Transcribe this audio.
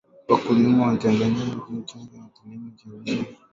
Wakuliam Tanzania huweza kujiinua kiuchumi kwa kilimo cha viazi lishe